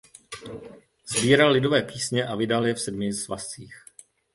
Sbíral lidové písně a vydal je v sedmi svazcích.